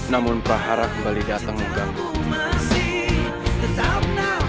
namun prahara kembali dateng ke kamu